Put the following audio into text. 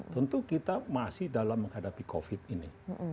tentu kita masih dalam menghadapi covid ini